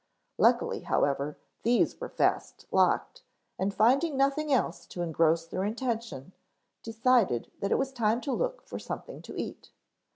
Luckily, however, these were fast locked, and finding nothing else to engross their attention decided that it was time to look for something to eat.